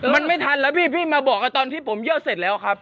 มันไม่ทันแล้วพี่พี่มาบอกกับตอนที่ผมเยี่ยวเสร็จแล้วครับ